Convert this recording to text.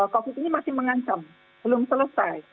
covid ini masih mengancam belum selesai